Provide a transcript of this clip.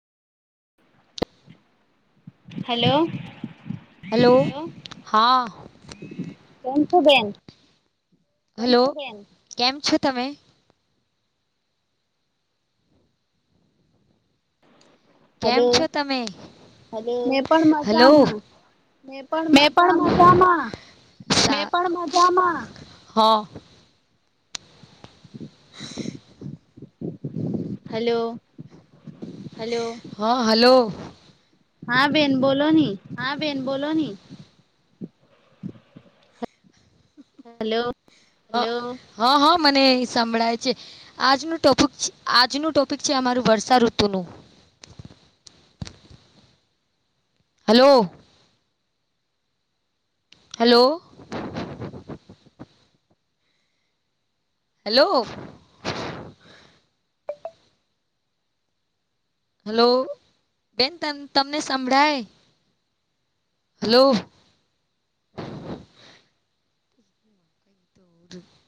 Hello hello હા. કેમ છો બેન હલો બેન કેમ છો તમે. કેમ હલો છો તમે મેં પણ હલો. મજામાં. મે પણ મજામાં મે પણ મજામાં હલો હલો હા હલો હા બેન બોલો ની હા બેન બોલો નની. હલો હ હા હા મને સંભળાય છે. આજનું ટોપિક છે આજનું ટોપિક છે અમારું વર્ષાઋતુનું હલો હેલો હેલો હેલો બેન તમને સંભળાય. હલો [inaudible]